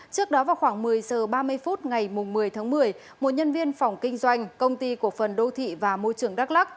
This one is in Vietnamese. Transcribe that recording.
trước đó vào khoảng một mươi h ba mươi phút ngày một mươi tháng một mươi một nhân viên phòng kinh doanh công ty cổ phần đô thị và môi trường đắk lắc